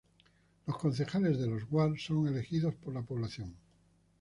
Los concejales de los ward son elegidos por la población.